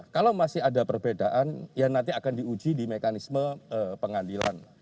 kalau masih ada perbedaan ya nanti akan diuji di mekanisme pengadilan